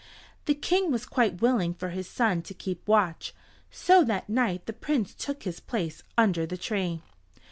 The King was quite willing for his son to keep watch, so that night the Prince took his place under the tree.